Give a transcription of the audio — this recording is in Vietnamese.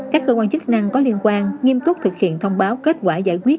các cơ quan chức năng có liên quan nghiêm túc thực hiện thông báo kết quả giải quyết